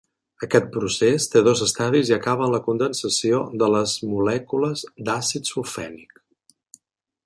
Aquest procés té dos estadis i acaba en la condensació de les molècules d'àcid sulfènic.